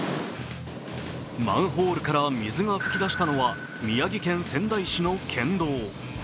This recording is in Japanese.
マンホールから水が噴き出したのは宮城県仙台市の県道。